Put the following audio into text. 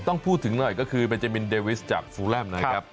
ต้องพูดถึงหน่อยก็คือเบจามินเดวิสจากฟูแลมนะครับ